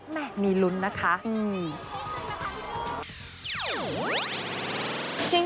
แหมมีลุ้นนะคะอืม